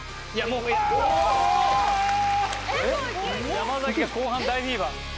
山崎が後半大フィーバー。